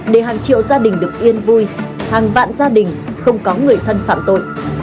để hàng triệu gia đình được yên vui hàng vạn gia đình không có người thân phạm tội